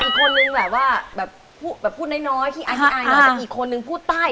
อีกคนนึงแบบพูดน้อยอีกคนนึงพูดต้าย